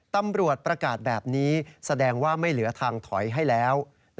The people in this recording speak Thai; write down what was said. ตำรวจประกาศแบบนี้แสดงว่าไม่เหลือทางถอยให้แล้ว